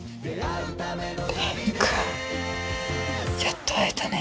蓮くんやっと会えたね。